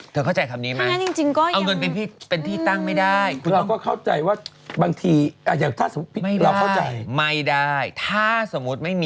เข้าใจคำนี้ไหม